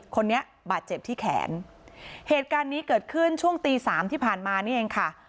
คนนี้บาดเจ็บที่แขนเหตุการณ์นี้เกิดขึ้นช่วงตีสามที่ผ่านมานี่เองค่ะ